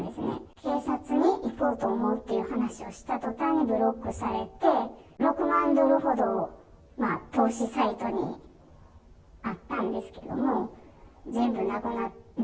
警察に行こうと思うという話をしたとたんに、ブロックされて、６万ドルほど投資サイトにあったんですけども、全部なくなって、